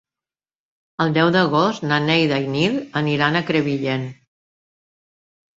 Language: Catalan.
El deu d'agost na Neida i en Nil aniran a Crevillent.